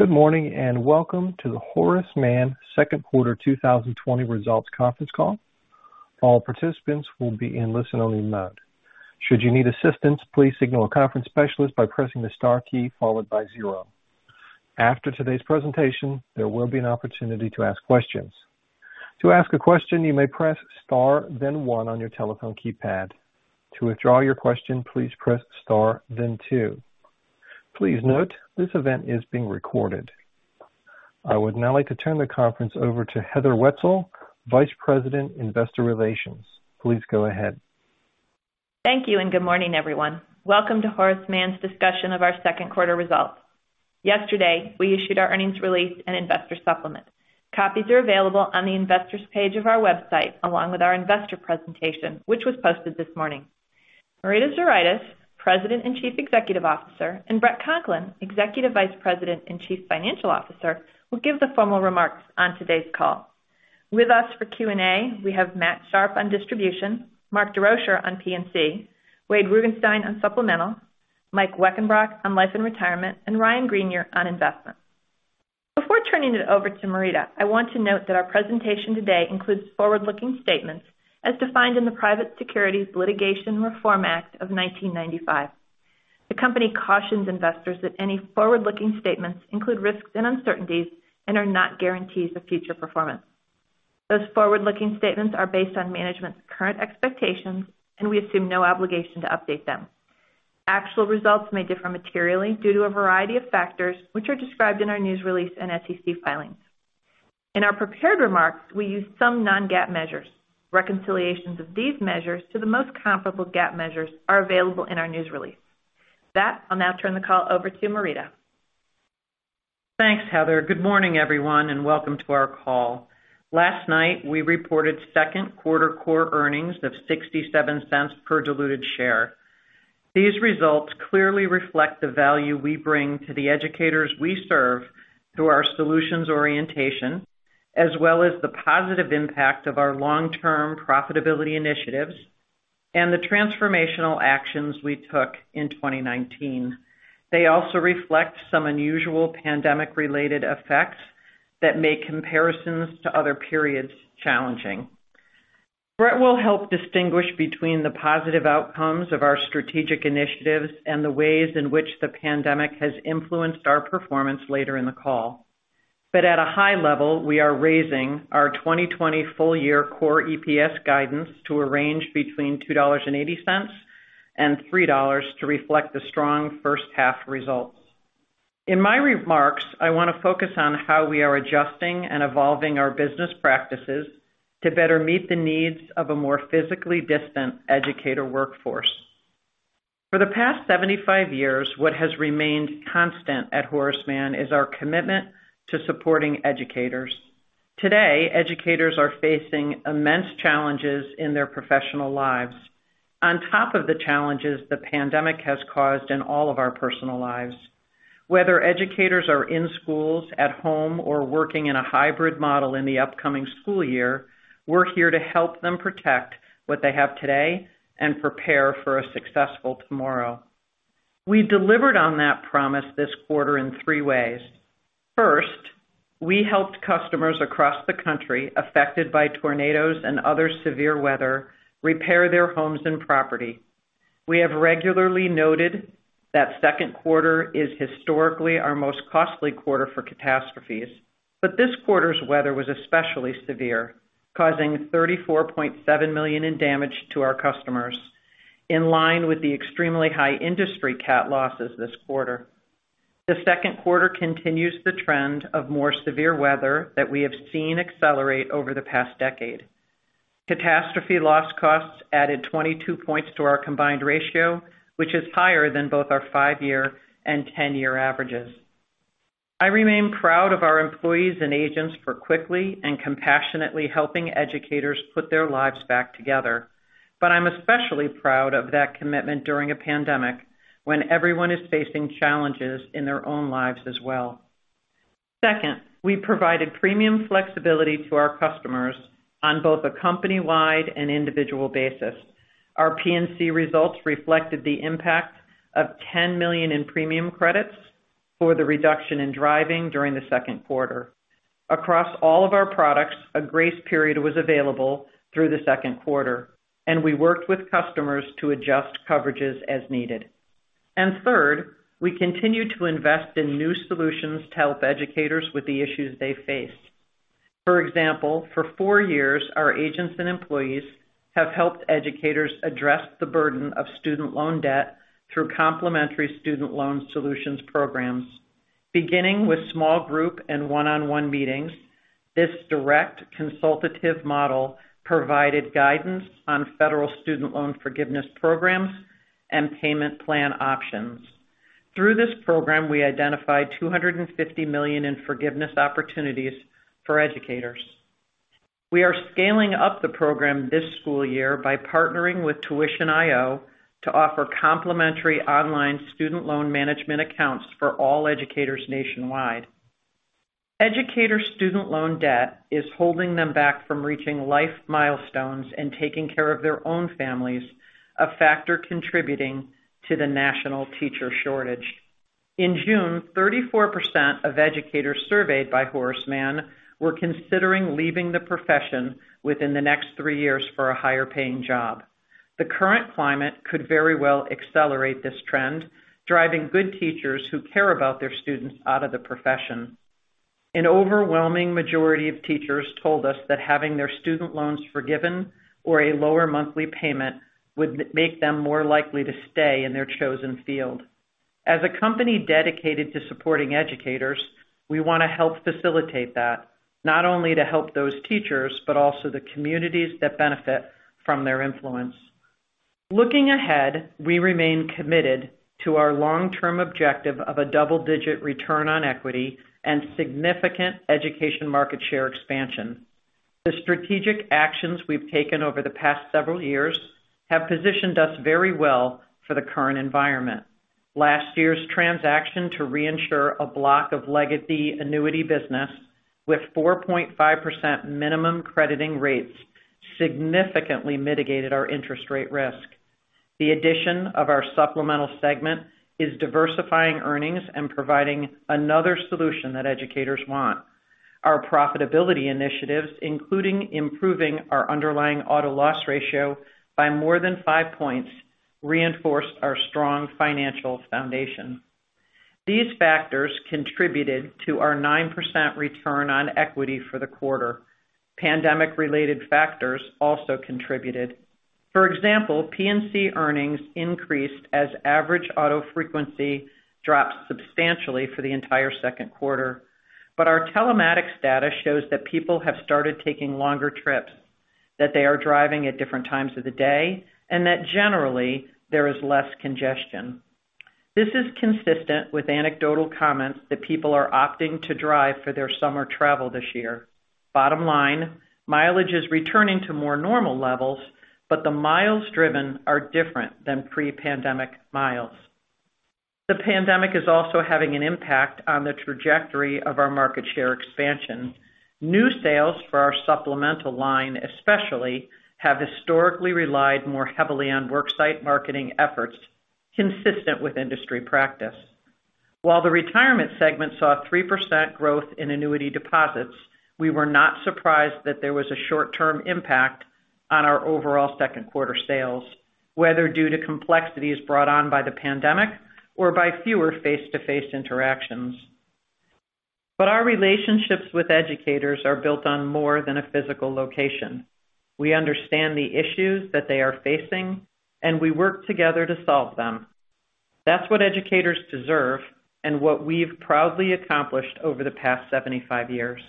Good morning, welcome to the Horace Mann second quarter 2020 results conference call. All participants will be in listen-only mode. Should you need assistance, please signal a conference specialist by pressing the star key followed by 0. After today's presentation, there will be an opportunity to ask questions. To ask a question, you may press star 1 on your telephone keypad. To withdraw your question, please press star 2. Please note, this event is being recorded. I would now like to turn the conference over to Heather Wietzel, Vice President, Investor Relations. Please go ahead. Thank you, Good morning, everyone. Welcome to Horace Mann's discussion of our second quarter results. Yesterday, we issued our earnings release and investor supplement. Copies are available on the investors page of our website, along with our investor presentation, which was posted this morning. Marita Zuraitis, President and Chief Executive Officer, and Bret Conklin, Executive Vice President and Chief Financial Officer, will give the formal remarks on today's call. With us for Q&A, we have Matthew Sharpe on distribution, Mark Desrochers on P&C, Wade Rugenstein on supplemental, Mike Weckenbrock on life and retirement, and Ryan Greenier on investment. Before turning it over to Marita, I want to note that our presentation today includes forward-looking statements as defined in the Private Securities Litigation Reform Act of 1995. Those forward-looking statements are based on management's current expectations. We assume no obligation to update them. Actual results may differ materially due to a variety of factors, which are described in our news release and SEC filings. In our prepared remarks, we use some non-GAAP measures. Reconciliations of these measures to the most comparable GAAP measures are available in our news release. With that, I'll now turn the call over to Marita. Thanks, Heather. Good morning, everyone, welcome to our call. Last night, we reported second quarter core earnings of $0.67 per diluted share. These results clearly reflect the value we bring to the educators we serve through our solutions orientation, as well as the positive impact of our long-term profitability initiatives and the transformational actions we took in 2019. They also reflect some unusual pandemic-related effects that make comparisons to other periods challenging. Bret will help distinguish between the positive outcomes of our strategic initiatives and the ways in which the pandemic has influenced our performance later in the call. At a high level, we are raising our 2020 full year core EPS guidance to a range between $2.80 and $3 to reflect the strong first half results. In my remarks, I want to focus on how we are adjusting and evolving our business practices to better meet the needs of a more physically distant educator workforce. For the past 75 years, what has remained constant at Horace Mann is our commitment to supporting educators. Today, educators are facing immense challenges in their professional lives on top of the challenges the pandemic has caused in all of our personal lives. Whether educators are in schools, at home, or working in a hybrid model in the upcoming school year, we're here to help them protect what they have today and prepare for a successful tomorrow. We delivered on that promise this quarter in three ways. First, we helped customers across the country affected by tornadoes and other severe weather repair their homes and property. We have regularly noted that second quarter is historically our most costly quarter for catastrophes, but this quarter's weather was especially severe, causing $34.7 million in damage to our customers, in line with the extremely high industry cat losses this quarter. The second quarter continues the trend of more severe weather that we have seen accelerate over the past decade. Catastrophe loss costs added 22 points to our combined ratio, which is higher than both our five-year and 10-year averages. I remain proud of our employees and agents for quickly and compassionately helping educators put their lives back together. I'm especially proud of that commitment during a pandemic when everyone is facing challenges in their own lives as well. Second, we provided premium flexibility to our customers on both a company-wide and individual basis. Our P&C results reflected the impact of $10 million in premium credits for the reduction in driving during the second quarter. Across all of our products, a grace period was available through the second quarter, and we worked with customers to adjust coverages as needed. Third, we continued to invest in new solutions to help educators with the issues they face. For example, for four years, our agents and employees have helped educators address the burden of student loan debt through complimentary Student Loan Solutions programs. Beginning with small group and one-on-one meetings, this direct consultative model provided guidance on federal student loan forgiveness programs and payment plan options. Through this program, we identified $250 million in forgiveness opportunities for educators. We are scaling up the program this school year by partnering with Tuition.io to offer complimentary online student loan management accounts for all educators nationwide. Educator student loan debt is holding them back from reaching life milestones and taking care of their own families, a factor contributing to the national teacher shortage. In June, 34% of educators surveyed by Horace Mann were considering leaving the profession within the next three years for a higher paying job. The current climate could very well accelerate this trend, driving good teachers who care about their students out of the profession. An overwhelming majority of teachers told us that having their student loans forgiven or a lower monthly payment would make them more likely to stay in their chosen field. As a company dedicated to supporting educators, we want to help facilitate that, not only to help those teachers, but also the communities that benefit from their influence. Looking ahead, we remain committed to our long-term objective of a double-digit return on equity and significant education market share expansion. The strategic actions we've taken over the past several years have positioned us very well for the current environment. Last year's transaction to reinsure a block of legacy annuity business with 4.5% minimum crediting rates significantly mitigated our interest rate risk. The addition of our supplemental segment is diversifying earnings and providing another solution that educators want. Our profitability initiatives, including improving our underlying auto loss ratio by more than five points, reinforced our strong financial foundation. These factors contributed to our 9% return on equity for the quarter. Pandemic related factors also contributed. For example, P&C earnings increased as average auto frequency dropped substantially for the entire second quarter. Our telematics data shows that people have started taking longer trips, that they are driving at different times of the day, and that generally there is less congestion. This is consistent with anecdotal comments that people are opting to drive for their summer travel this year. Bottom line, mileage is returning to more normal levels, but the miles driven are different than pre-pandemic miles. The pandemic is also having an impact on the trajectory of our market share expansion. New sales for our supplemental line especially have historically relied more heavily on worksite marketing efforts consistent with industry practice. While the retirement segment saw 3% growth in annuity deposits, we were not surprised that there was a short-term impact on our overall second quarter sales, whether due to complexities brought on by the pandemic or by fewer face-to-face interactions. Our relationships with educators are built on more than a physical location. We understand the issues that they are facing, and we work together to solve them. That's what educators deserve and what we've proudly accomplished over the past 75 years.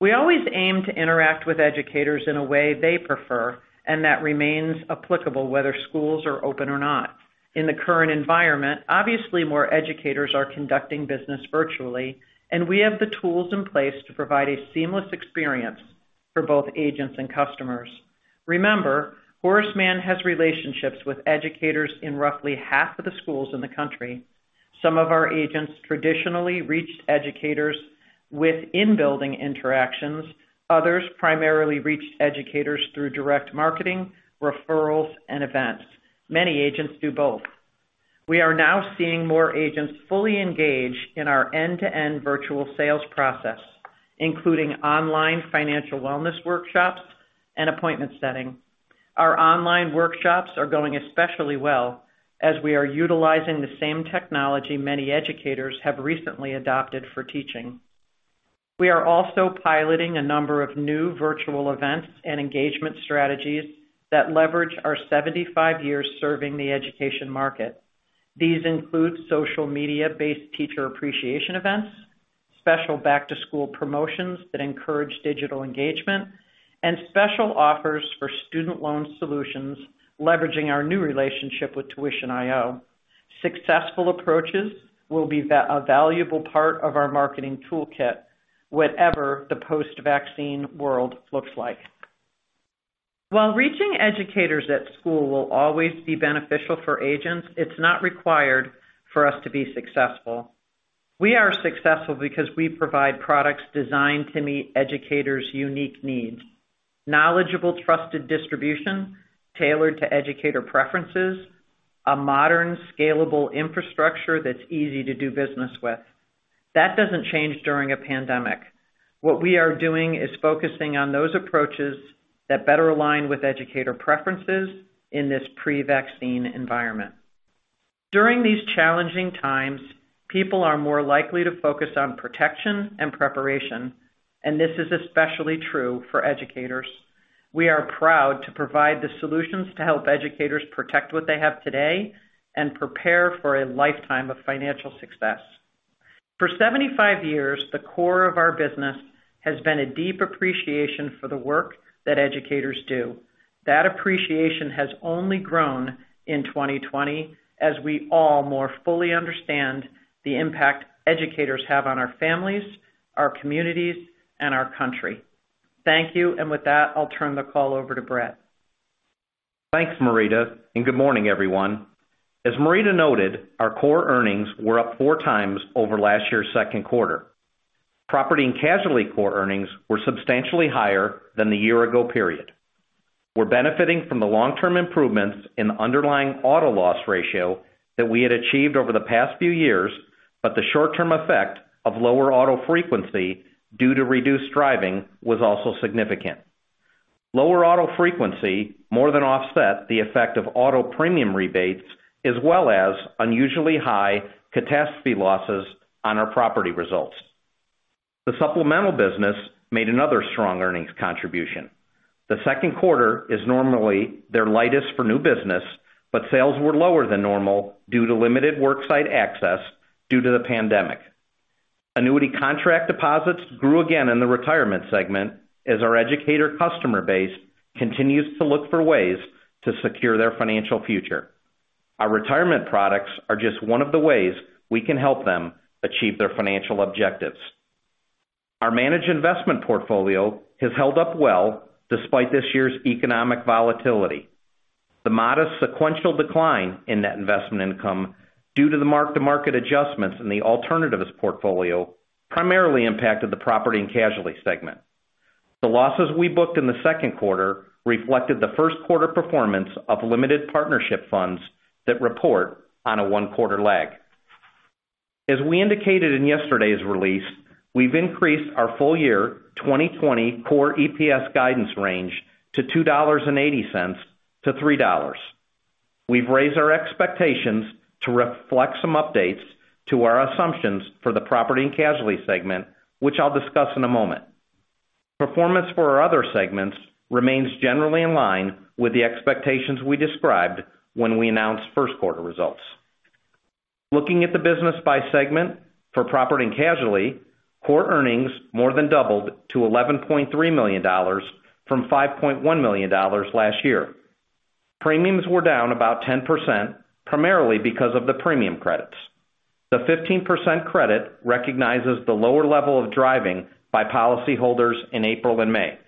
We always aim to interact with educators in a way they prefer, and that remains applicable whether schools are open or not. In the current environment, obviously, more educators are conducting business virtually, and we have the tools in place to provide a seamless experience for both agents and customers. Remember, Horace Mann has relationships with educators in roughly half of the schools in the country. Some of our agents traditionally reached educators within building interactions. Others primarily reached educators through direct marketing, referrals, and events. Many agents do both. We are now seeing more agents fully engaged in our end-to-end virtual sales process, including online financial wellness workshops and appointment setting. Our online workshops are going especially well as we are utilizing the same technology many educators have recently adopted for teaching. We are also piloting a number of new virtual events and engagement strategies that leverage our 75 years serving the education market. These include social media based teacher appreciation events, special back-to-school promotions that encourage digital engagement, and special offers for Student Loan Solutions leveraging our new relationship with Tuition.io. Successful approaches will be a valuable part of our marketing toolkit whatever the post vaccine world looks like. While reaching educators at school will always be beneficial for agents, it's not required for us to be successful. We are successful because we provide products designed to meet educators' unique needs. Knowledgeable, trusted distribution tailored to educator preferences, a modern, scalable infrastructure that's easy to do business with. That doesn't change during a pandemic. What we are doing is focusing on those approaches that better align with educator preferences in this pre-vaccine environment. During these challenging times, people are more likely to focus on protection and preparation, and this is especially true for educators. We are proud to provide the solutions to help educators protect what they have today and prepare for a lifetime of financial success. For 75 years, the core of our business has been a deep appreciation for the work that educators do. That appreciation has only grown in 2020 as we all more fully understand the impact educators have on our families, our communities, and our country. Thank you. With that, I'll turn the call over to Bret. Thanks, Marita, good morning, everyone. As Marita noted, our core earnings were up four times over last year's second quarter. Property & Casualty core earnings were substantially higher than the year ago period. We're benefiting from the long-term improvements in underlying auto loss ratio that we had achieved over the past few years, but the short-term effect of lower auto frequency due to reduced driving was also significant. Lower auto frequency more than offset the effect of auto premium rebates, as well as unusually high catastrophe losses on our property results. The supplemental business made another strong earnings contribution. The second quarter is normally their lightest for new business, but sales were lower than normal due to limited work site access due to the pandemic. Annuity contract deposits grew again in the retirement segment as our educator customer base continues to look for ways to secure their financial future. Our retirement products are just one of the ways we can help them achieve their financial objectives. Our managed investment portfolio has held up well despite this year's economic volatility. The modest sequential decline in net investment income due to the mark-to-market adjustments in the alternatives portfolio primarily impacted the Property & Casualty segment. The losses we booked in the second quarter reflected the first quarter performance of limited partnership funds that report on a one-quarter lag. As we indicated in yesterday's release, we've increased our full year 2020 core EPS guidance range to $2.80-$3. We've raised our expectations to reflect some updates to our assumptions for the Property & Casualty segment, which I'll discuss in a moment. Performance for our other segments remains generally in line with the expectations we described when we announced first quarter results. Looking at the business by segment for Property & Casualty, core earnings more than doubled to $11.3 million from $5.1 million last year. Premiums were down about 10%, primarily because of the premium credits. The 15% credit recognizes the lower level of driving by policyholders in April and May.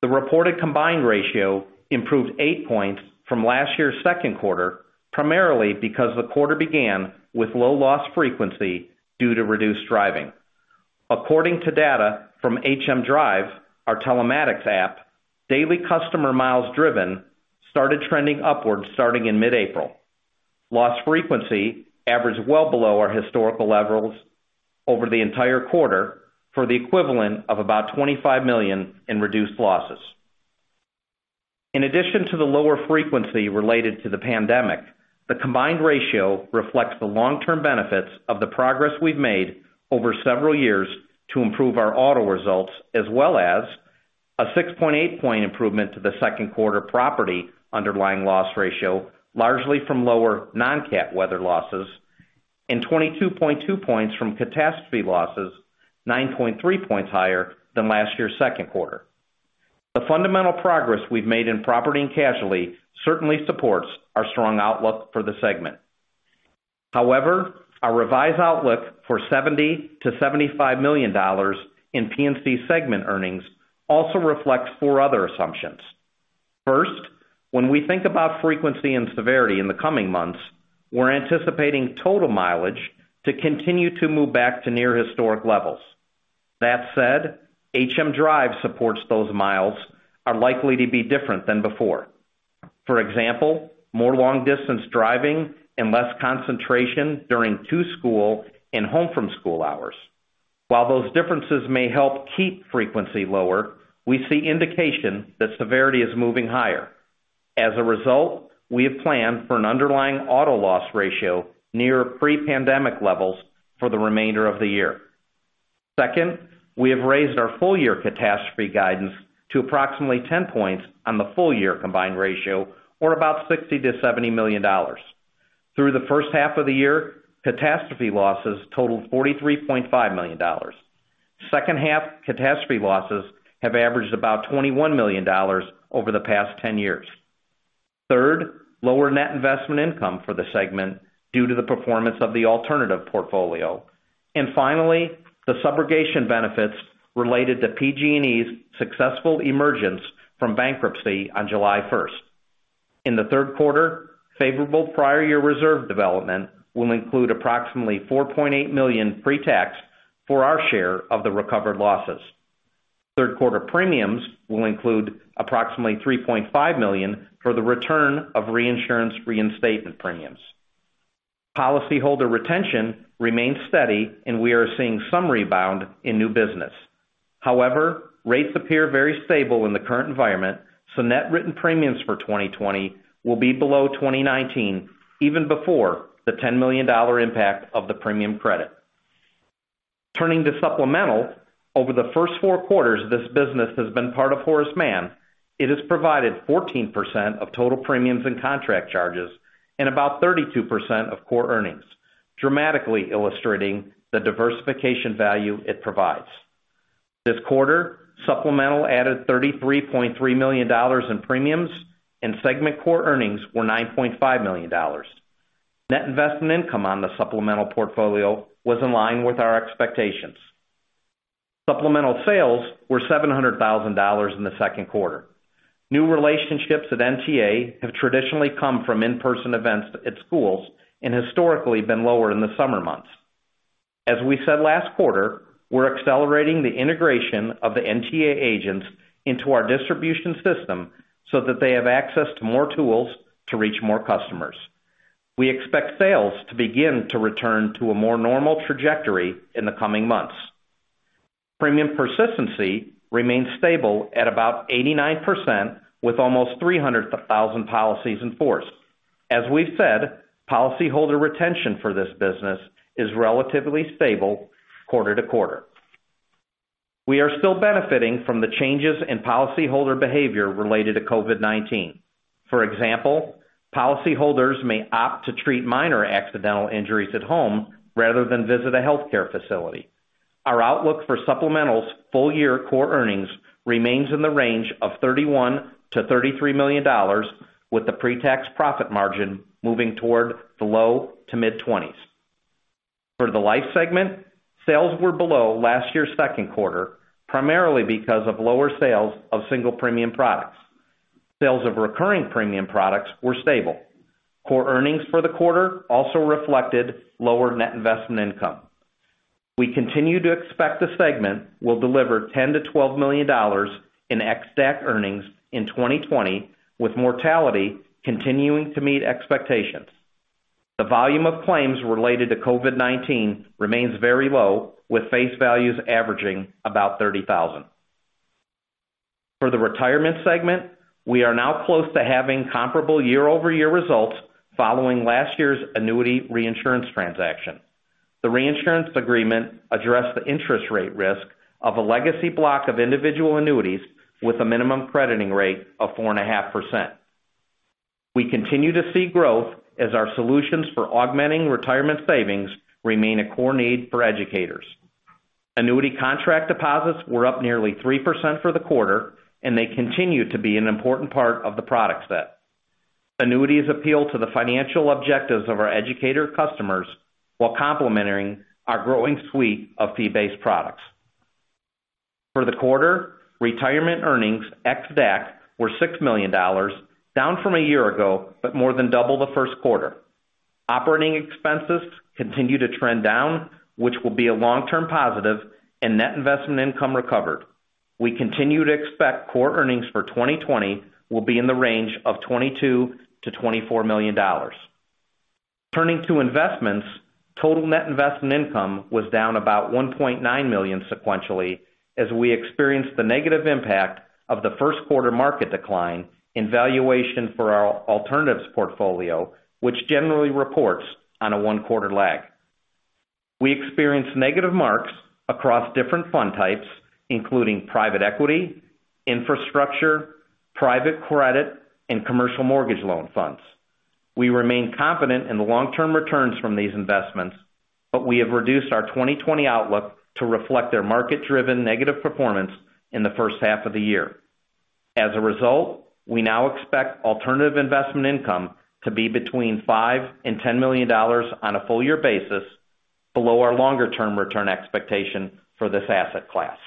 The reported combined ratio improved eight points from last year's second quarter, primarily because the quarter began with low loss frequency due to reduced driving. According to data from HM Drive, our telematics app, daily customer miles driven started trending upward starting in mid-April. Loss frequency averaged well below our historical levels over the entire quarter for the equivalent of about $25 million in reduced losses. In addition to the lower frequency related to the pandemic, the combined ratio reflects the long-term benefits of the progress we've made over several years to improve our auto results, as well as a 6.8-point improvement to the second quarter property underlying loss ratio, largely from lower non-catastrophe weather losses, and 22.2 points from catastrophe losses, 9.3 points higher than last year's second quarter. The fundamental progress we've made in property and casualty certainly supports our strong outlook for the segment. Our revised outlook for $70 million-$75 million in P&C segment earnings also reflects four other assumptions. First, when we think about frequency and severity in the coming months, we're anticipating total mileage to continue to move back to near historic levels. That said, HM Drive supports those miles are likely to be different than before. For example, more long-distance driving and less concentration during to school and home from school hours. While those differences may help keep frequency lower, we see indication that severity is moving higher. As a result, we have planned for an underlying auto loss ratio near pre-pandemic levels for the remainder of the year. Second, we have raised our full-year catastrophe guidance to approximately 10 points on the full year combined ratio, or about $60 million-$70 million. Through the first half of the year, catastrophe losses totaled $43.5 million. Second half catastrophe losses have averaged about $21 million over the past 10 years. Third, lower net investment income for the segment due to the performance of the alternative portfolio. Finally, the subrogation benefits related to PG&E's successful emergence from bankruptcy on July 1st. In the third quarter, favorable prior year reserve development will include approximately $4.8 million pre-tax for our share of the recovered losses. Third quarter premiums will include approximately $3.5 million for the return of reinsurance reinstatement premiums. Policyholder retention remains steady, and we are seeing some rebound in new business. Rates appear very stable in the current environment, so net written premiums for 2020 will be below 2019 even before the $10 million impact of the premium credit. Turning to supplemental, over the first four quarters this business has been part of Horace Mann, it has provided 14% of total premiums and contract charges and about 32% of core earnings, dramatically illustrating the diversification value it provides. This quarter, supplemental added $33.3 million in premiums and segment core earnings were $9.5 million. Net investment income on the supplemental portfolio was in line with our expectations. Supplemental sales were $700,000 in the second quarter. New relationships at NTA have traditionally come from in-person events at schools and historically been lower in the summer months. As we said last quarter, we're accelerating the integration of the NTA agents into our distribution system so that they have access to more tools to reach more customers. We expect sales to begin to return to a more normal trajectory in the coming months. Premium persistency remains stable at about 89%, with almost 300,000 policies in force. As we've said, policyholder retention for this business is relatively stable quarter to quarter. We are still benefiting from the changes in policyholder behavior related to COVID-19. For example, policyholders may opt to treat minor accidental injuries at home rather than visit a healthcare facility. Our outlook for Supplemental's full-year core earnings remains in the range of $31 million to $33 million, with the pre-tax profit margin moving toward the low to mid-20s. For the Life segment, sales were below last year's second quarter, primarily because of lower sales of single premium products. Sales of recurring premium products were stable. Core earnings for the quarter also reflected lower net investment income. We continue to expect the segment will deliver $10 million to $12 million in ex DAC earnings in 2020, with mortality continuing to meet expectations. The volume of claims related to COVID-19 remains very low, with face values averaging about 30,000. For the Retirement segment, we are now close to having comparable year-over-year results following last year's annuity reinsurance transaction. The reinsurance agreement addressed the interest rate risk of a legacy block of individual annuities with a minimum crediting rate of 4.5%. We continue to see growth as our solutions for augmenting retirement savings remain a core need for educators. Annuity contract deposits were up nearly 3% for the quarter, and they continue to be an important part of the product set. Annuities appeal to the financial objectives of our educator customers while complementing our growing suite of fee-based products. For the quarter, Retirement earnings, ex DAC, were $6 million, down from a year ago, but more than double the first quarter. Operating expenses continue to trend down, which will be a long-term positive, and net investment income recovered. We continue to expect core earnings for 2020 will be in the range of $22 million to $24 million. Turning to investments, total net investment income was down about $1.9 million sequentially as we experienced the negative impact of the first quarter market decline in valuation for our alternatives portfolio, which generally reports on a one-quarter lag. We experienced negative marks across different fund types, including private equity, infrastructure, private credit, and commercial mortgage loan funds. We remain confident in the long-term returns from these investments, but we have reduced our 2020 outlook to reflect their market-driven negative performance in the first half of the year. As a result, we now expect alternative investment income to be between $5 million and $10 million on a full-year basis, below our longer-term return expectation for this asset class.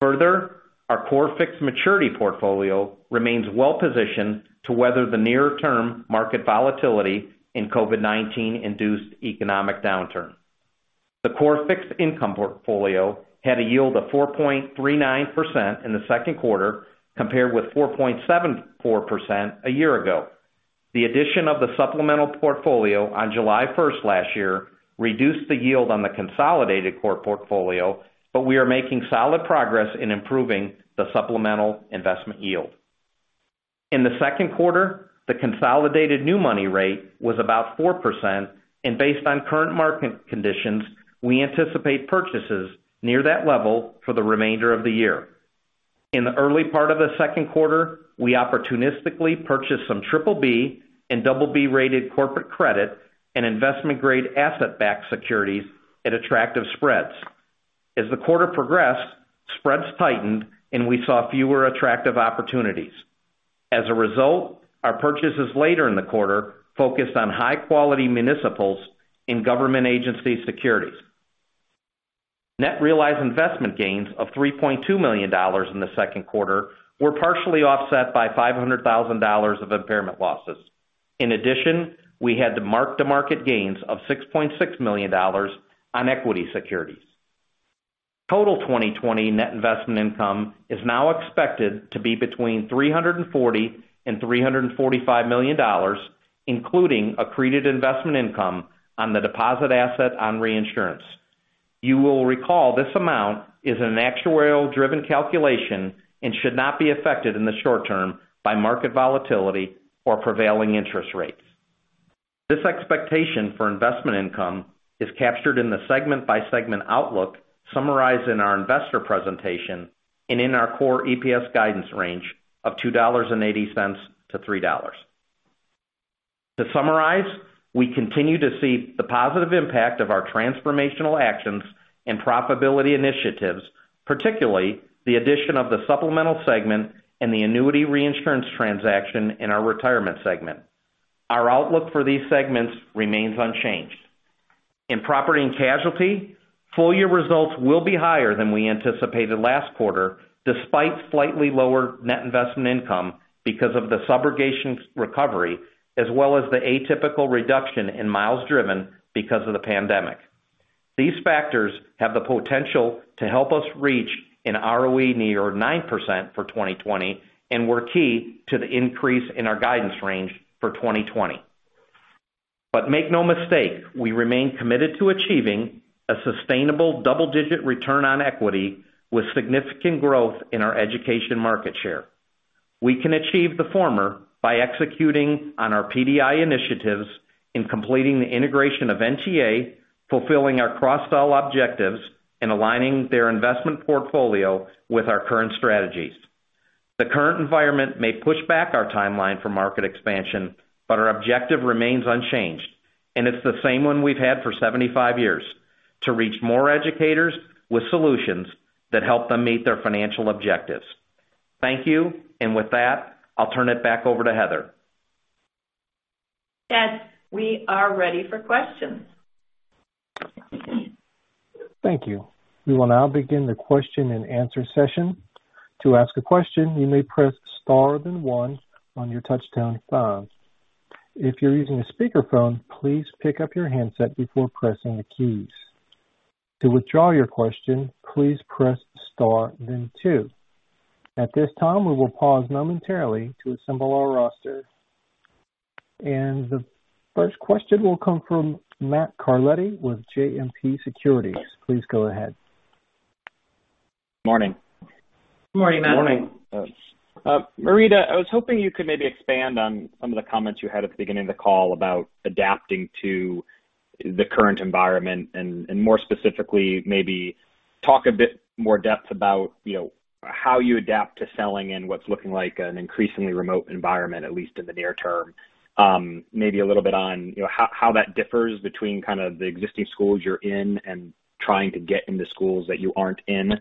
Further, our core fixed maturity portfolio remains well-positioned to weather the near-term market volatility in COVID-19-induced economic downturn. The core fixed income portfolio had a yield of 4.39% in the second quarter compared with 4.74% a year ago. The addition of the Supplemental portfolio on July 1st last year reduced the yield on the consolidated core portfolio, but we are making solid progress in improving the Supplemental investment yield. In the second quarter, the consolidated new money rate was about 4%, and based on current market conditions, we anticipate purchases near that level for the remainder of the year. In the early part of the second quarter, we opportunistically purchased some BBB and BB-rated corporate credit and investment-grade asset-backed securities at attractive spreads. As the quarter progressed, spreads tightened, and we saw fewer attractive opportunities. As a result, our purchases later in the quarter focused on high-quality municipals and government agency securities. Net realized investment gains of $3.2 million in the second quarter were partially offset by $500,000 of impairment losses. In addition, we had mark-to-market gains of $6.6 million on equity securities. Total 2020 net investment income is now expected to be between $340 million and $345 million, including accreted investment income on the deposit asset on reinsurance. You will recall this amount is an actuarial-driven calculation and should not be affected in the short term by market volatility or prevailing interest rates. This expectation for investment income is captured in the segment-by-segment outlook summarized in our investor presentation and in our core EPS guidance range of $2.80 to $3. To summarize, we continue to see the positive impact of our transformational actions and profitability initiatives, particularly the addition of the Supplemental segment and the annuity reinsurance transaction in our Retirement segment. Our outlook for these segments remains unchanged. In property and casualty, full-year results will be higher than we anticipated last quarter, despite slightly lower net investment income because of the subrogation recovery, as well as the atypical reduction in miles driven because of the pandemic. These factors have the potential to help us reach an ROE near 9% for 2020, were key to the increase in our guidance range for 2020. Make no mistake, we remain committed to achieving a sustainable double-digit return on equity with significant growth in our education market share. We can achieve the former by executing on our PDI initiatives in completing the integration of NTA, fulfilling our cross-sell objectives, and aligning their investment portfolio with our current strategies. The current environment may push back our timeline for market expansion, our objective remains unchanged, it's the same one we've had for 75 years: to reach more educators with solutions that help them meet their financial objectives. Thank you. With that, I'll turn it back over to Heather. Chad, we are ready for questions. Thank you. We will now begin the question and answer session. To ask a question, you may press star then one on your touchtone phone. If you're using a speakerphone, please pick up your handset before pressing the keys. To withdraw your question, please press star then two. At this time, we will pause momentarily to assemble our roster. The first question will come from Matt Carletti with JMP Securities. Please go ahead. Morning. Morning, Matt. Morning. Marita, I was hoping you could maybe expand on some of the comments you had at the beginning of the call about adapting to the current environment, more specifically, maybe talk a bit more depth about how you adapt to selling in what's looking like an increasingly remote environment, at least in the near term. Maybe a little bit on how that differs between the existing schools you're in and trying to get into schools that you aren't in.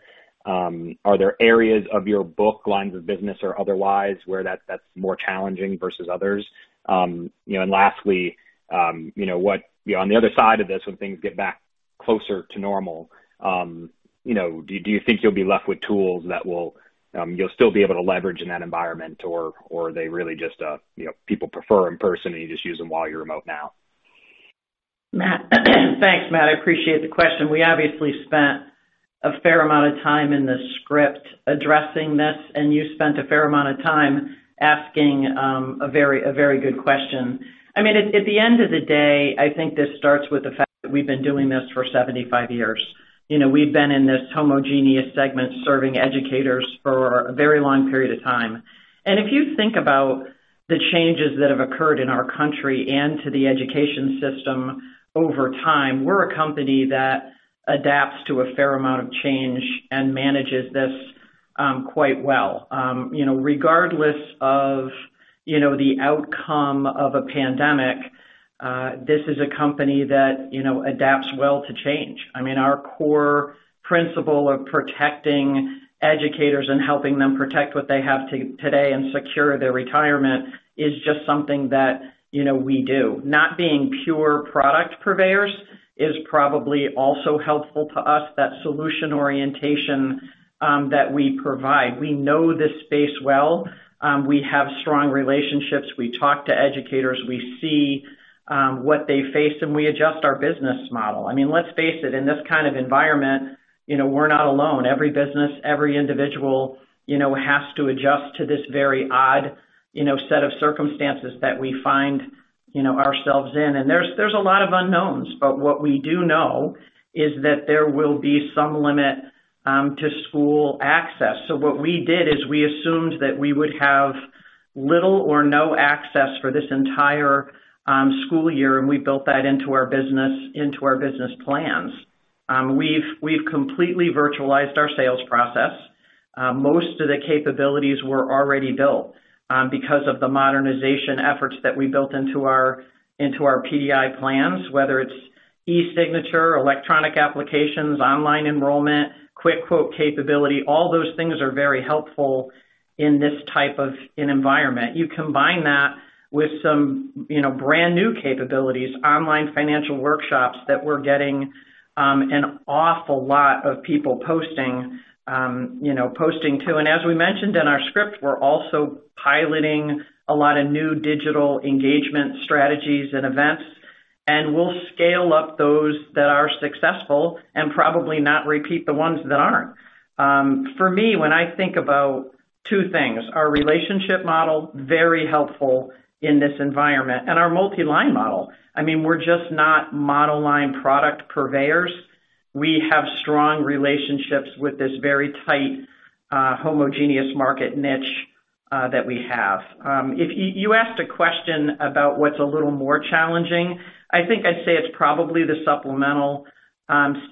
Are there areas of your book lines of business or otherwise where that's more challenging versus others? Lastly, on the other side of this, when things get back closer to normal, do you think you'll be left with tools that you'll still be able to leverage in that environment? Or are they really just people prefer in person and you just use them while you're remote now? Matt, thanks. I appreciate the question. We obviously spent a fair amount of time in the script addressing this, and you spent a fair amount of time asking a very good question. At the end of the day, I think this starts with the fact that we've been doing this for 75 years. We've been in this homogeneous segment serving educators for a very long period of time. If you think about the changes that have occurred in our country and to the education system over time, we're a company that adapts to a fair amount of change and manages this quite well. Regardless of the outcome of a pandemic, this is a company that adapts well to change. Our core principle of protecting educators and helping them protect what they have today and secure their retirement is just something that we do. Not being pure product purveyors is probably also helpful to us, that solution orientation that we provide. We know this space well. We have strong relationships. We talk to educators. We see what they face, and we adjust our business model. Let's face it, in this kind of environment, we're not alone. Every business, every individual has to adjust to this very odd set of circumstances that we find ourselves in. There's a lot of unknowns. What we do know is that there will be some limit to school access. What we did is we assumed that we would have little or no access for this entire school year, and we built that into our business plans. We've completely virtualized our sales process. Most of the capabilities were already built because of the modernization efforts that we built into our PDI plans, whether it's e-signature, electronic applications, online enrollment, quick quote capability, all those things are very helpful in this type of an environment. You combine that with some brand-new capabilities, online financial workshops that we're getting an awful lot of people posting to. As we mentioned in our script, we're also piloting a lot of new digital engagement strategies and events, and we'll scale up those that are successful and probably not repeat the ones that aren't. For me, when I think about two things, our relationship model, very helpful in this environment, and our multi-line model. We're just not monoline product purveyors. We have strong relationships with this very tight homogeneous market niche that we have. You asked a question about what's a little more challenging. I think I'd say it's probably the supplemental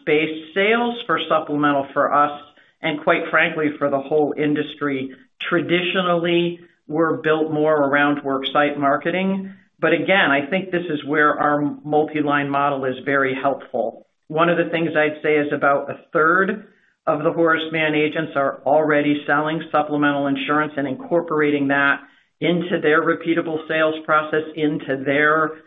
space sales for supplemental for us, and quite frankly, for the whole industry. Traditionally, we're built more around worksite marketing. Again, I think this is where our multi-line model is very helpful. One of the things I'd say is about a third Of the Horace Mann agents are already selling supplemental insurance and incorporating that into their repeatable sales process, into their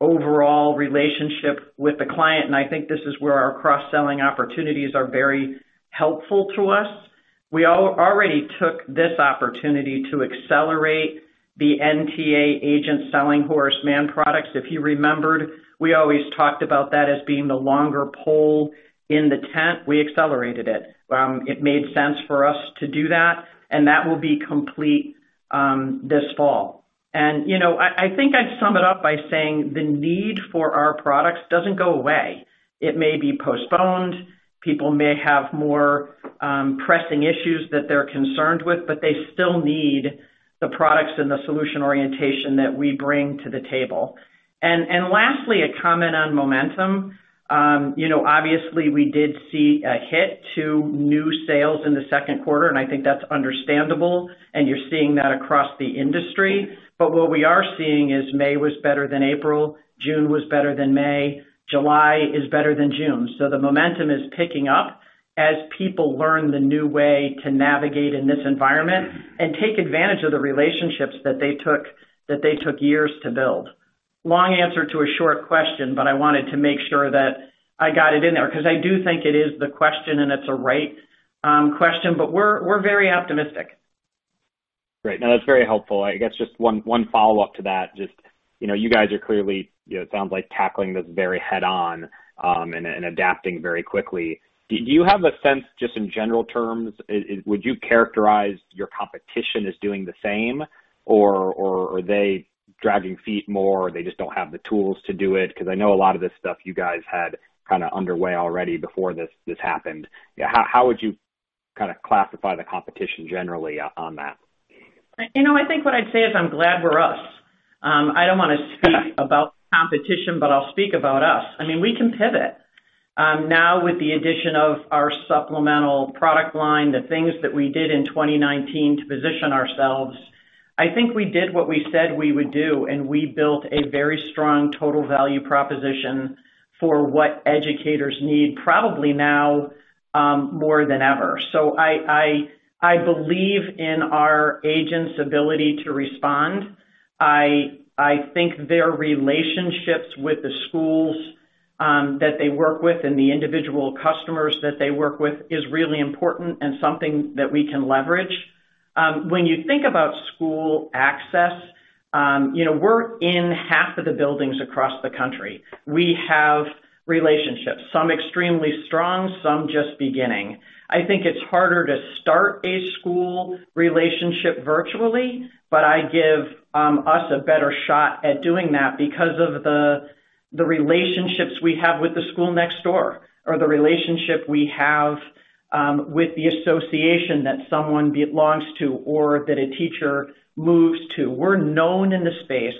overall relationship with the client, and I think this is where our cross-selling opportunities are very helpful to us. We already took this opportunity to accelerate the NTA agent selling Horace Mann products. If you remembered, we always talked about that as being the longer pole in the tent, we accelerated it. It made sense for us to do that, and that will be complete this fall. I think I'd sum it up by saying the need for our products doesn't go away. It may be postponed. People may have more pressing issues that they're concerned with, but they still need the products and the solution orientation that we bring to the table. Lastly, a comment on momentum. Obviously, we did see a hit to new sales in the second quarter. I think that's understandable, and you're seeing that across the industry. What we are seeing is May was better than April, June was better than May, July is better than June. The momentum is picking up as people learn the new way to navigate in this environment and take advantage of the relationships that they took years to build. Long answer to a short question, but I wanted to make sure that I got it in there because I do think it is the question and it's a right question, but we're very optimistic. Great. No, that's very helpful. I guess just one follow-up to that. You guys are clearly, it sounds like, tackling this very head-on and adapting very quickly. Do you have a sense, just in general terms, would you characterize your competition as doing the same? Are they dragging feet more? They just don't have the tools to do it? Because I know a lot of this stuff you guys had underway already before this happened. How would you classify the competition generally on that? I think what I'd say is I'm glad we're us. I don't want to speak about competition, but I'll speak about us. We can pivot. Now with the addition of our supplemental product line, the things that we did in 2019 to position ourselves, I think we did what we said we would do, and we built a very strong total value proposition for what educators need, probably now more than ever. I believe in our agents' ability to respond. I think their relationships with the schools that they work with and the individual customers that they work with is really important and something that we can leverage. When you think about school access, we're in half of the buildings across the country. We have relationships, some extremely strong, some just beginning. I think it's harder to start a school relationship virtually, but I give us a better shot at doing that because of the relationships we have with the school next door, or the relationship we have with the association that someone belongs to or that a teacher moves to. We're known in the space.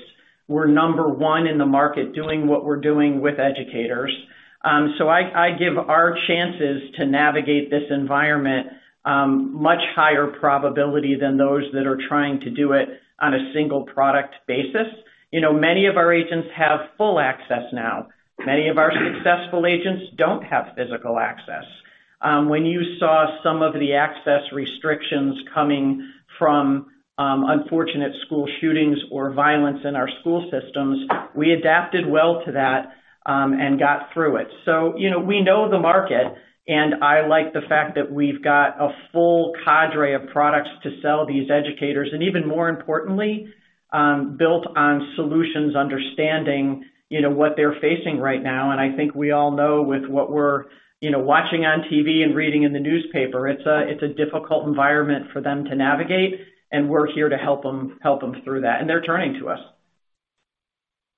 We're number 1 in the market doing what we're doing with educators. I give our chances to navigate this environment much higher probability than those that are trying to do it on a single product basis. Many of our agents have full access now. Many of our successful agents don't have physical access. When you saw some of the access restrictions coming from unfortunate school shootings or violence in our school systems, we adapted well to that and got through it. We know the market, I like the fact that we've got a full cadre of products to sell these educators, even more importantly, built on solutions understanding what they're facing right now. I think we all know with what we're watching on TV and reading in the newspaper, it's a difficult environment for them to navigate, and we're here to help them through that, and they're turning to us.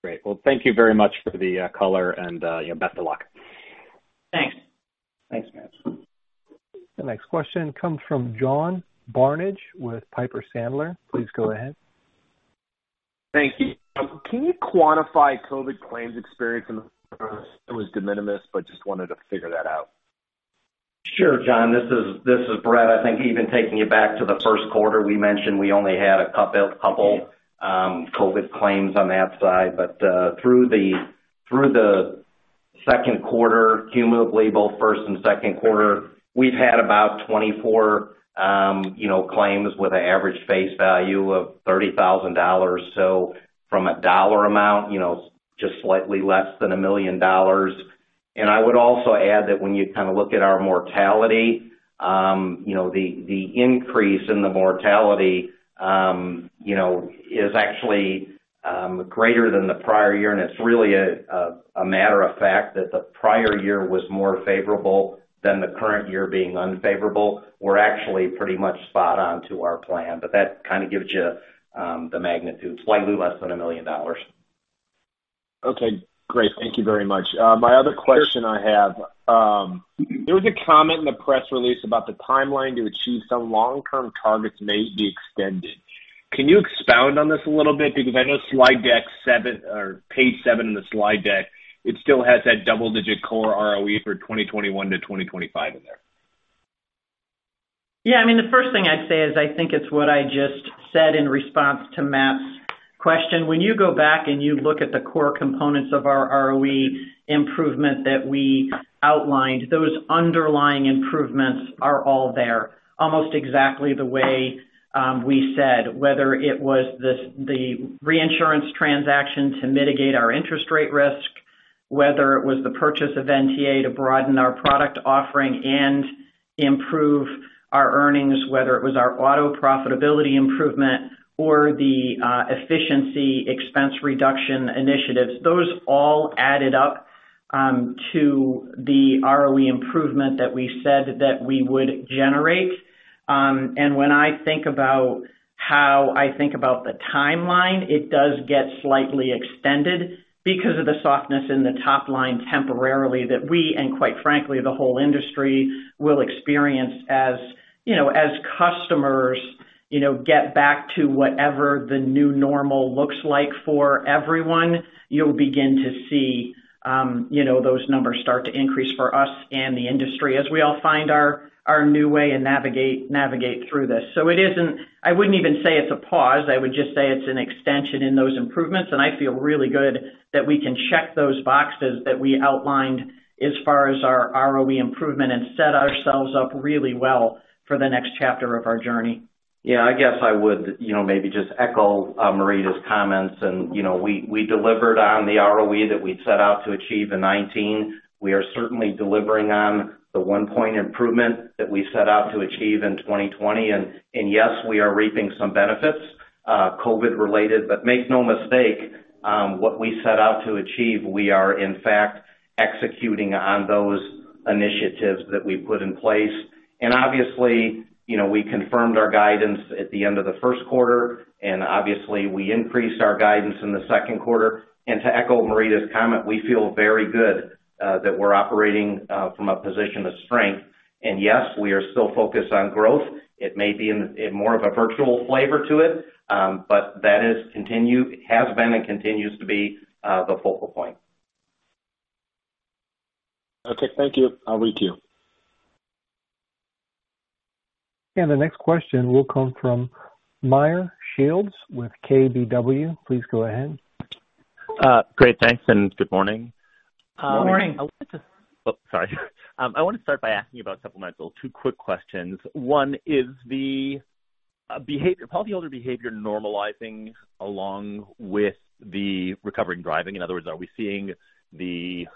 Great. Thank you very much for the color and best of luck. Thanks. Thanks, Matt. The next question comes from John Barnidge with Piper Sandler. Please go ahead. Thank you. Can you quantify COVID claims experience in the first? It was de minimis, but just wanted to figure that out. Sure, John. This is Bret. I think even taking it back to the first quarter, we mentioned we only had a couple COVID claims on that side. Through the second quarter, cumulatively both first and second quarter, we've had about 24 claims with an average face value of $30,000. From a dollar amount, just slightly less than $1 million. I would also add that when you look at our mortality, the increase in the mortality is actually greater than the prior year, and it's really a matter of fact that the prior year was more favorable than the current year being unfavorable. We're actually pretty much spot on to our plan. That kind of gives you the magnitude, slightly less than $1 million. Okay, great. Thank you very much. My other question I have. There was a comment in the press release about the timeline to achieve some long-term targets may be extended. Can you expound on this a little bit? I know page seven in the slide deck, it still has that double-digit core ROE for 2021 to 2025 in there. Yeah. The first thing I'd say is, I think it's what I just said in response to Matt's question. When you go back and you look at the core components of our ROE improvement that we outlined, those underlying improvements are all there, almost exactly the way we said. Whether it was the reinsurance transaction to mitigate our interest rate risk, whether it was the purchase of NTA to broaden our product offering and improve our earnings, whether it was our auto profitability improvement or the efficiency expense reduction initiatives, those all added up to the ROE improvement that we said that we would generate. When I think about how I think about the timeline, it does get slightly extended because of the softness in the top line temporarily that we, and quite frankly, the whole industry, will experience as customers get back to whatever the new normal looks like for everyone. You'll begin to see those numbers start to increase for us and the industry as we all find our new way and navigate through this. I wouldn't even say it's a pause. I would just say it's an extension in those improvements, and I feel really good that we can check those boxes that we outlined as far as our ROE improvement, and set ourselves up really well for the next chapter of our journey. Yeah. I guess I would maybe just echo Marita's comments. We delivered on the ROE that we'd set out to achieve in 2019. We are certainly delivering on the one-point improvement that we set out to achieve in 2020. Yes, we are reaping some benefits, COVID related. Make no mistake, what we set out to achieve, we are in fact executing on those initiatives that we've put in place. Obviously, we confirmed our guidance at the end of the first quarter. Obviously, we increased our guidance in the second quarter. To echo Marita's comment, we feel very good that we're operating from a position of strength. Yes, we are still focused on growth. It may be more of a virtual flavor to it. That has been and continues to be, the focal point. Okay, thank you. I'll get back into the queue. The next question will come from Meyer Shields with KBW. Please go ahead. Great. Thanks, good morning. Morning. Morning. Oh, sorry. I want to start by asking about supplemental. Two quick questions. One, is the policyholder behavior normalizing along with the recovering driving? In other words, are we seeing the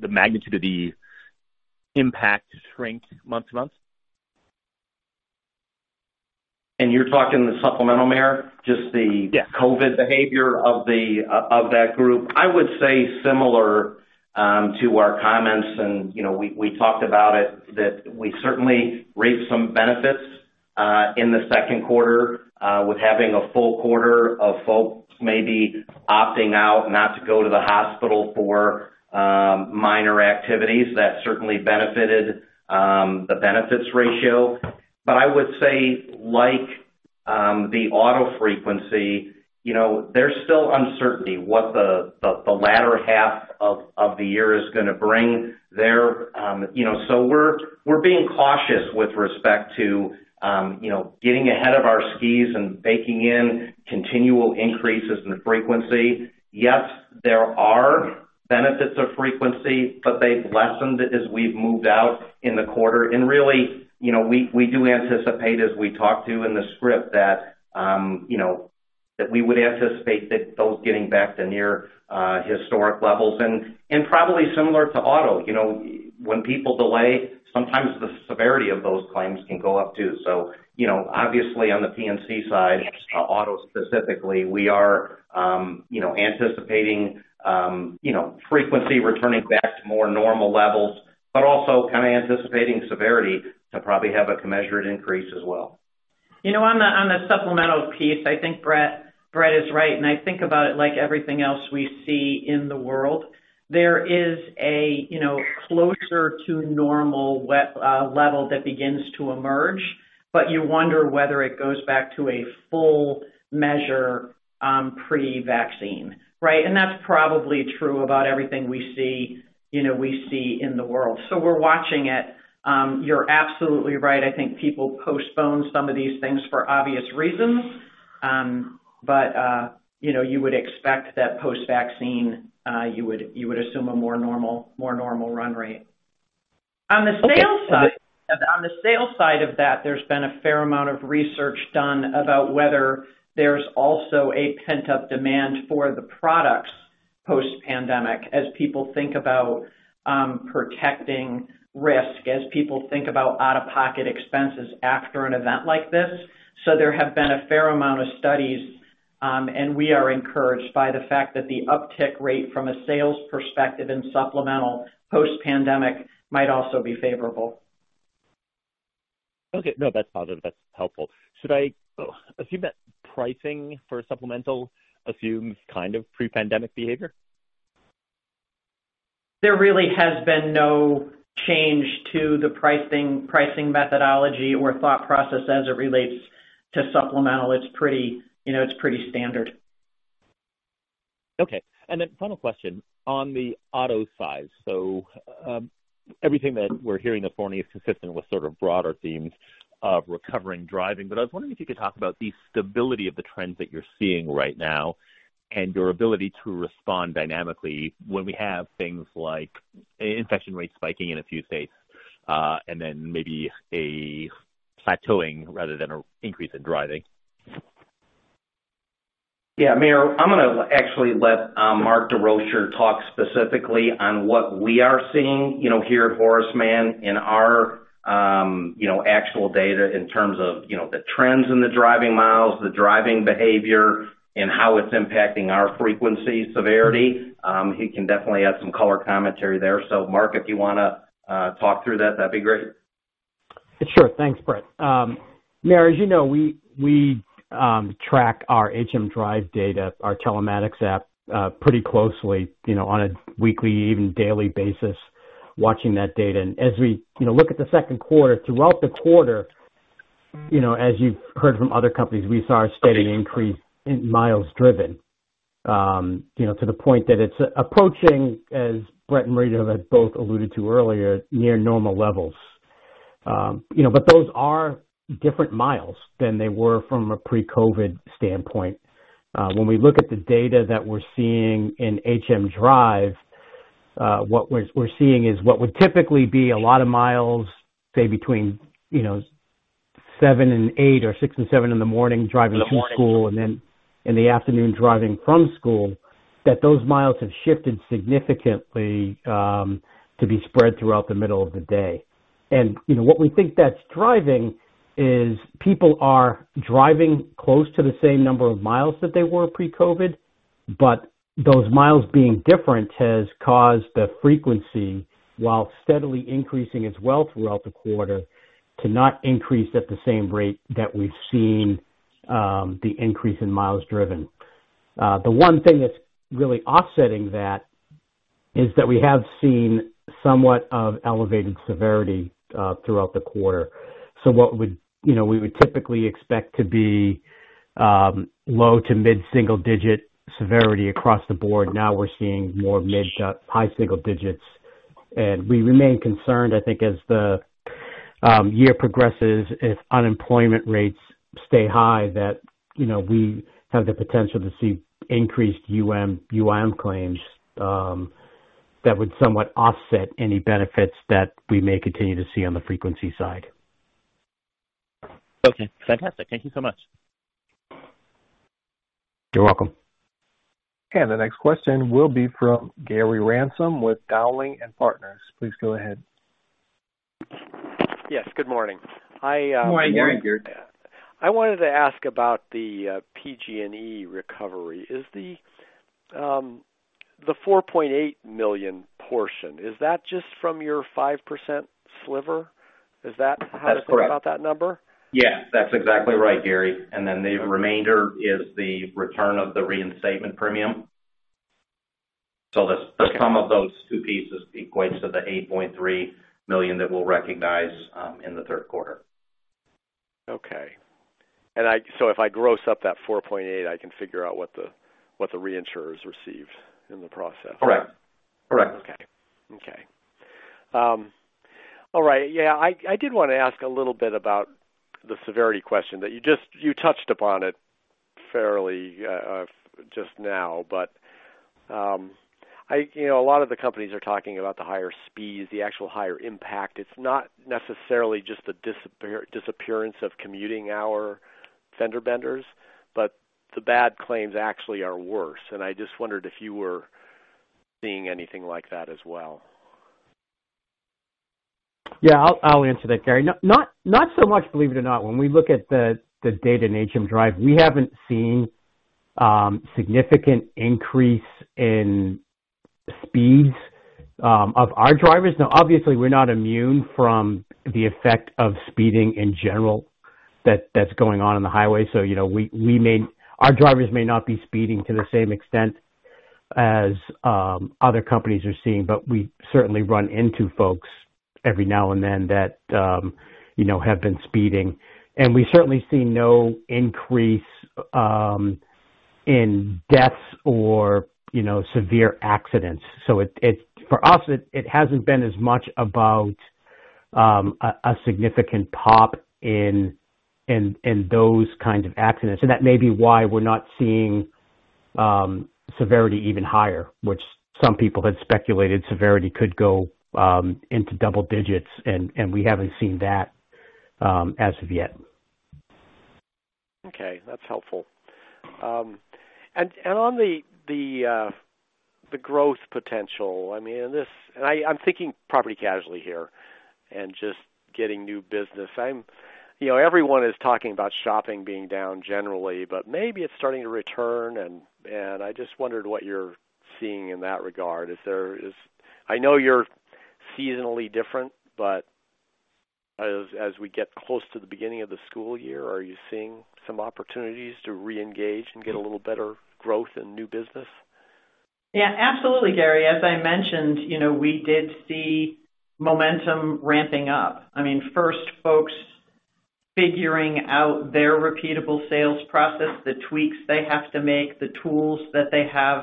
magnitude of the impact shrink month-to-month? You're talking the supplemental, Meyer? Just the. Yeah COVID behavior of that group? I would say similar to our comments, we talked about it, that we certainly reaped some benefits in the second quarter with having a full quarter of folks maybe opting out not to go to the hospital for minor activities. That certainly benefited the benefits ratio. I would say, like the auto frequency, there's still uncertainty what the latter half of the year is going to bring there. We're being cautious with respect to getting ahead of our skis and baking in continual increases in frequency. Yes, there are benefits of frequency, but they've lessened as we've moved out in the quarter. Really, we do anticipate, as we talked to in the script, that we would anticipate that those getting back to near historic levels. Probably similar to auto. When people delay, sometimes the severity of those claims can go up, too. Obviously on the P&C side, auto specifically, we are anticipating frequency returning back to more normal levels, but also kind of anticipating severity to probably have a commensurate increase as well. On the supplemental piece, I think Bret is right, and I think about it like everything else we see in the world. There is a closer to normal level that begins to emerge. You wonder whether it goes back to a full measure, pre-vaccine. Right? That's probably true about everything we see in the world. We're watching it. You're absolutely right. I think people postponed some of these things for obvious reasons. You would expect that post-vaccine, you would assume a more normal run rate. On the sales side of that, there's been a fair amount of research done about whether there's also a pent-up demand for the products post-pandemic, as people think about protecting risk, as people think about out-of-pocket expenses after an event like this. There have been a fair amount of studies, and we are encouraged by the fact that the uptick rate from a sales perspective in supplemental post-pandemic might also be favorable. Okay. No, that's positive. That's helpful. Should I assume that pricing for supplemental assumes kind of pre-pandemic behavior? There really has been no change to the pricing methodology or thought process as it relates to supplemental. It's pretty standard. Okay. Final question on the auto side. Everything that we're hearing, the 40 is consistent with sort of broader themes of recovering driving. I was wondering if you could talk about the stability of the trends that you're seeing right now and your ability to respond dynamically when we have things like infection rates spiking in a few states, then maybe a plateauing rather than an increase in driving. Yeah, Meyer, I'm going to actually let Mark Desrochers talk specifically on what we are seeing here at Horace Mann in our actual data in terms of the trends in the driving miles, the driving behavior, and how it's impacting our frequency severity. He can definitely add some color commentary there. Mark, if you want to talk through that'd be great. Sure. Thanks, Bret. Meyer, as you know, we track our HM Drive data, our telematics app, pretty closely on a weekly, even daily basis, watching that data. As we look at the second quarter, throughout the quarter, as you've heard from other companies, we saw a steady increase in miles driven, to the point that it's approaching, as Bret and Marita have both alluded to earlier, near normal levels. Those are different miles than they were from a pre-COVID standpoint. When we look at the data that we're seeing in HM Drive, what we're seeing is what would typically be a lot of miles, say, between seven and eight or six and seven in the morning driving to school, then in the afternoon driving from school, that those miles have shifted significantly, to be spread throughout the middle of the day. What we think that's driving is people are driving close to the same number of miles that they were pre-COVID, but those miles being different has caused the frequency, while steadily increasing as well throughout the quarter, to not increase at the same rate that we've seen the increase in miles driven. The one thing that's really offsetting that is that we have seen somewhat of elevated severity throughout the quarter. What we would typically expect to be low to mid-single digit severity across the board, now we're seeing more mid to high single digits. We remain concerned, I think as the year progresses, if unemployment rates stay high, that we have the potential to see increased UM/UIM claims that would somewhat offset any benefits that we may continue to see on the frequency side. Okay. Fantastic. Thank you so much. You're welcome. The next question will be from Gary Ransom with Dowling & Partners. Please go ahead. Yes, good morning. Good morning, Gary. I wanted to ask about the PG&E recovery. Is the $4.8 million portion, is that just from your 5% sliver? Is that? That's correct. think about that number? Yes, that's exactly right, Gary. The remainder is the return of the reinstatement premium. The sum of those two pieces equates to the $8.3 million that we'll recognize in the third quarter. Okay. If I gross up that $4.8, I can figure out what the reinsurers received in the process. Correct. Okay. All right. I did want to ask a little bit about the severity question that you touched upon it fairly just now, a lot of the companies are talking about the higher speeds, the actual higher impact. It's not necessarily just the disappearance of commuting hour fender benders, the bad claims actually are worse, I just wondered if you were seeing anything like that as well. Yeah, I'll answer that, Gary. Not so much, believe it or not. When we look at the data in HM Drive, we haven't seen significant increase in speeds of our drivers. Obviously, we're not immune from the effect of speeding in general that's going on in the highway. Our drivers may not be speeding to the same extent as other companies are seeing, but we certainly run into folks every now and then that have been speeding. We certainly see no increase in deaths or severe accidents. For us, it hasn't been as much about a significant pop in those kinds of accidents. That may be why we're not seeing severity even higher, which some people had speculated severity could go into double digits, and we haven't seen that as of yet. Okay, that's helpful. On the growth potential, I'm thinking property casualty here and just getting new business. Everyone is talking about shopping being down generally, but maybe it's starting to return, and I just wondered what you're seeing in that regard. I know you're seasonally different, but as we get close to the beginning of the school year, are you seeing some opportunities to reengage and get a little better growth in new business? Yeah, absolutely, Gary. As I mentioned, we did see momentum ramping up. First folks Figuring out their repeatable sales process, the tweaks they have to make, the tools that they have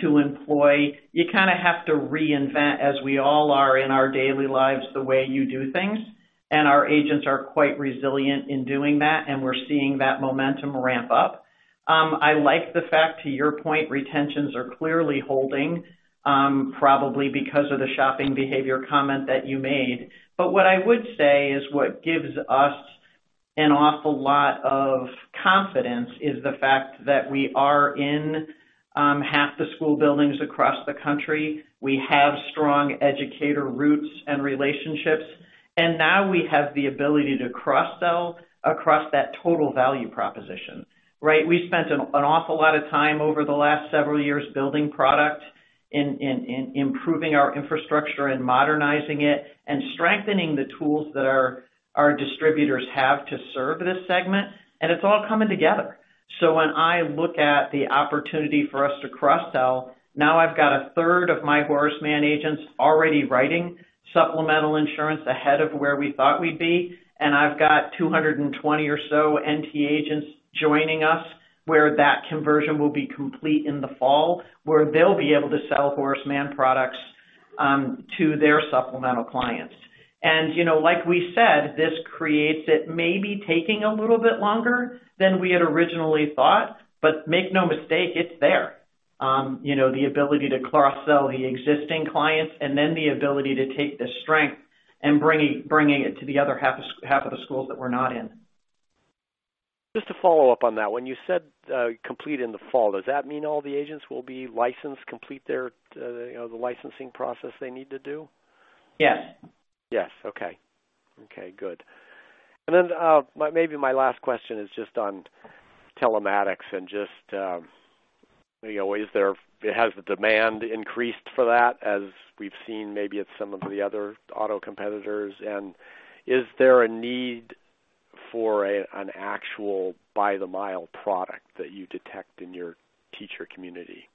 to employ. You kind of have to reinvent, as we all are in our daily lives, the way you do things, and our agents are quite resilient in doing that, and we're seeing that momentum ramp up. I like the fact, to your point, retentions are clearly holding, probably because of the shopping behavior comment that you made. What I would say is what gives us an awful lot of confidence is the fact that we are in half the school buildings across the country. We have strong educator roots and relationships, now we have the ability to cross-sell across that total value proposition. We spent an awful lot of time over the last several years building product, in improving our infrastructure and modernizing it, and strengthening the tools that our distributors have to serve this segment, and it's all coming together. When I look at the opportunity for us to cross-sell, now I've got a third of my Horace Mann agents already writing supplemental insurance ahead of where we thought we'd be, and I've got 220 or so NTA agents joining us, where that conversion will be complete in the fall, where they'll be able to sell Horace Mann products to their supplemental clients. Like we said, this creates it may be taking a little bit longer than we had originally thought, but make no mistake, it's there. The ability to cross-sell the existing clients and then the ability to take the strength and bringing it to the other half of the schools that we're not in. Just to follow up on that, when you said complete in the fall, does that mean all the agents will be licensed, complete the licensing process they need to do? Yes. Yes. Okay. Okay, good. Then, maybe my last question is just on telematics and just, has the demand increased for that as we've seen maybe at some of the other auto competitors, and is there a need for an actual by-the-mile product that you detect in your teacher community?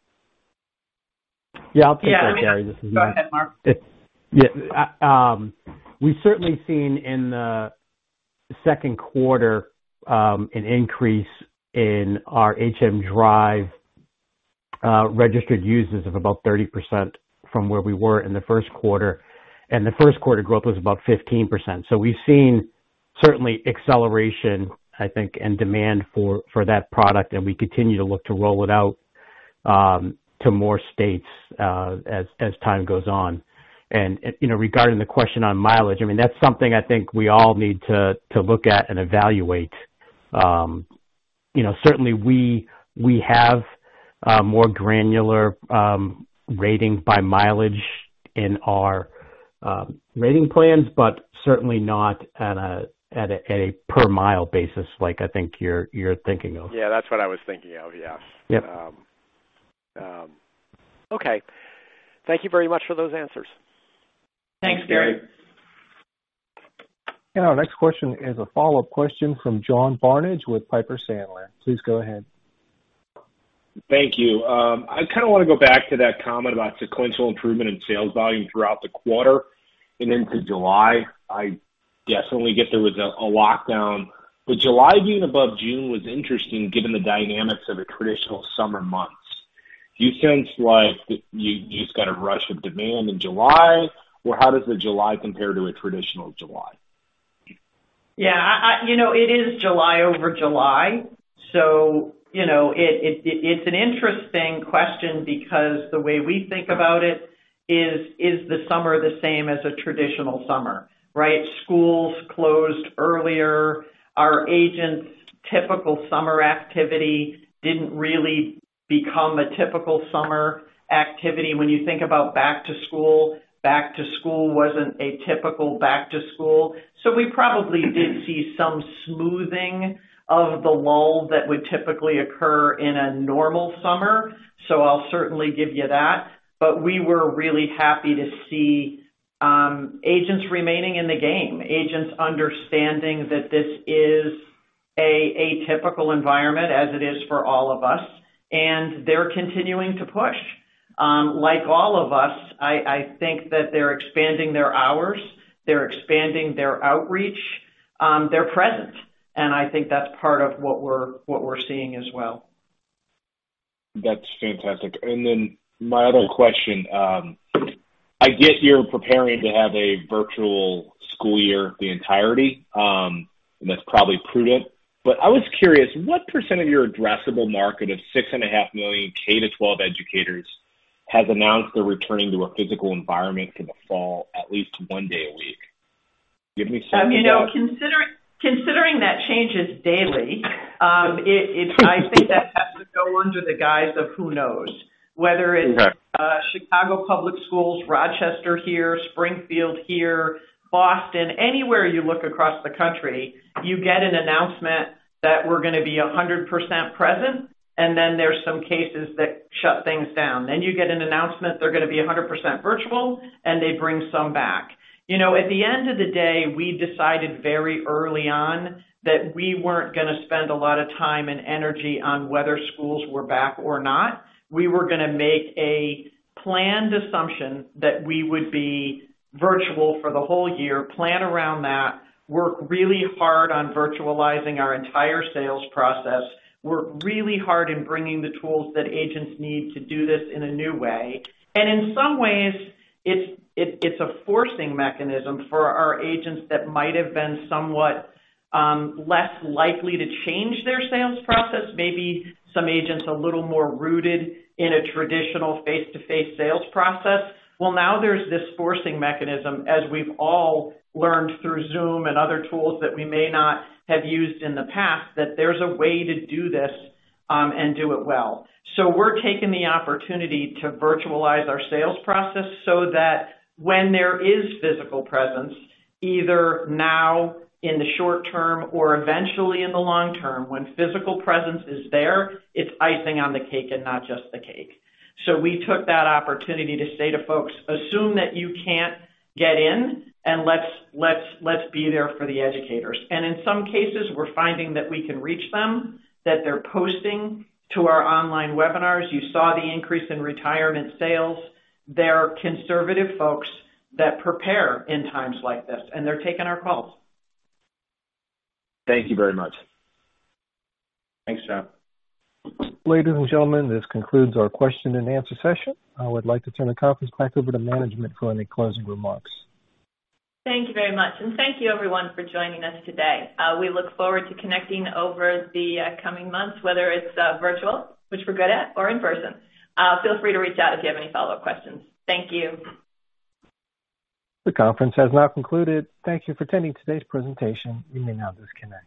Yeah, I'll take that, Gary. This is Mark. Go ahead, Mark. We've certainly seen in the second quarter, an increase in our HM Drive registered users of about 30% from where we were in the first quarter, the first quarter growth was about 15%. We've seen certainly acceleration, I think, and demand for that product, and we continue to look to roll it out to more states as time goes on. Regarding the question on mileage, that's something I think we all need to look at and evaluate. Certainly we have more granular rating by mileage in our rating plans, but certainly not at a per mile basis like I think you're thinking of. Yeah, that's what I was thinking of, yes. Yep. Okay. Thank you very much for those answers. Thanks, Gary. Thanks, Gary. Our next question is a follow-up question from John Barnidge with Piper Sandler. Please go ahead. Thank you. I kind of want to go back to that comment about sequential improvement in sales volume throughout the quarter and into July. I definitely get there was a lockdown, July being above June was interesting given the dynamics of the traditional summer months. Do you sense like you just got a rush of demand in July, or how does the July compare to a traditional July? Yeah. It is July over July. It's an interesting question because the way we think about it is the summer the same as a traditional summer, right? Schools closed earlier. Our agents' typical summer activity didn't really become a typical summer activity. When you think about back to school, back to school wasn't a typical back to school. We probably did see some smoothing of the lull that would typically occur in a normal summer. I'll certainly give you that. We were really happy to see agents remaining in the game, agents understanding that this is an atypical environment as it is for all of us, and they're continuing to push. Like all of us, I think that they're expanding their hours, they're expanding their outreach, their presence, and I think that's part of what we're seeing as well. That's fantastic. My other question, I get you're preparing to have a virtual school year, the entirety, and that's probably prudent, but I was curious, what % of your addressable market of 6.5 million K-12 educators has announced they're returning to a physical environment in the fall at least one day a week? Give me some of- Considering that changes daily, I think that has to go under the guise of who knows. Whether it's- Okay Chicago Public Schools, Rochester here, Springfield here, Boston, anywhere you look across the country, you get an announcement that we're going to be 100% present, there's some cases that shut things down. You get an announcement they're going to be 100% virtual, they bring some back. At the end of the day, we decided very early on that we weren't going to spend a lot of time and energy on whether schools were back or not. We were going to make a planned assumption that we would be Virtual for the whole year, plan around that, work really hard on virtualizing our entire sales process, work really hard in bringing the tools that agents need to do this in a new way. In some ways, it's a forcing mechanism for our agents that might have been somewhat less likely to change their sales process. Maybe some agents a little more rooted in a traditional face-to-face sales process. Now there's this forcing mechanism, as we've all learned through Zoom and other tools that we may not have used in the past, that there's a way to do this, and do it well. We're taking the opportunity to virtualize our sales process so that when there is physical presence, either now in the short term or eventually in the long term, when physical presence is there, it's icing on the cake and not just the cake. We took that opportunity to say to folks, "Assume that you can't get in, let's be there for the educators." In some cases, we're finding that we can reach them, that they're posting to our online webinars. You saw the increase in retirement sales. They're conservative folks that prepare in times like this, they're taking our calls. Thank you very much. Thanks, John. Ladies and gentlemen, this concludes our question and answer session. I would like to turn the conference back over to management for any closing remarks. Thank you very much, thank you, everyone, for joining us today. We look forward to connecting over the coming months, whether it's virtual, which we're good at, or in person. Feel free to reach out if you have any follow-up questions. Thank you. The conference has now concluded. Thank you for attending today's presentation. You may now disconnect.